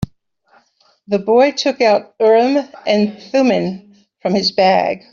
The boy took out Urim and Thummim from his bag.